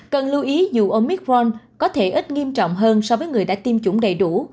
cần lưu ý dù omicron có thể ít nghiêm trọng hơn so với người đã tiêm chủng đầy đủ